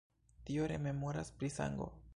Tio rememoras pri sango.